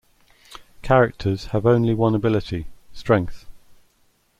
Characters have only one ability, Strength.